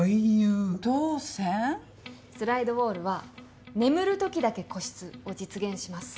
スライドウォールは眠るときだけ個室を実現します。